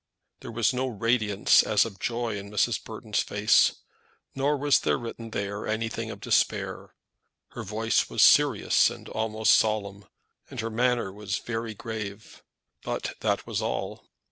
There was no radiance as of joy in Mrs. Burton's face, nor was there written there anything of despair. Her voice was serious and almost solemn, and her manner was very grave; but that was all.